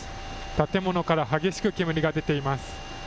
建物から激しく煙が出ています。